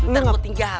ntar gua tinggal